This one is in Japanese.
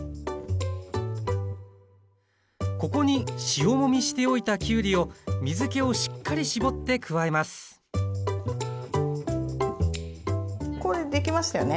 ここに塩もみしておいたきゅうりを水けをしっかり絞って加えますこれできましたよね。